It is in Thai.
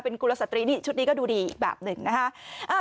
เป็นกุลสตรีชุดนี้ก็ดูดีแบบนึงนะคะ